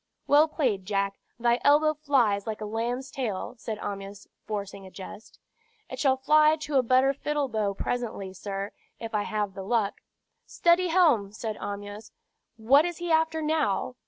"Well played, Jack; thy elbow flies like a lamb's tail," said Amyas, forcing a jest. "It shall fly to a better fiddle bow presently, sir, if I have the luck " "Steady, helm!" said Amyas. "What is he after now?"